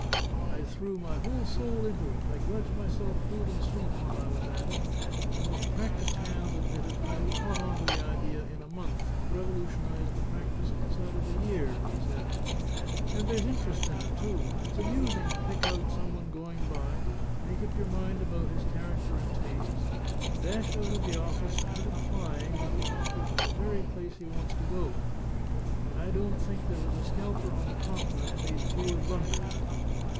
"I threw my whole soul into it; I grudged myself food and sleep while I was at it; the most practised hands admitted I had caught on to the idea in a month and revolutionised the practice inside of a year," he said. "And there's interest in it, too. It's amusing to pick out some one going by, make up your mind about his character and tastes, dash out of the office and hit him flying with an offer of the very place he wants to go to. I don't think there was a scalper on the continent made fewer blunders.